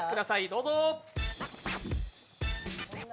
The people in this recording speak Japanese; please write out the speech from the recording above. どうぞ。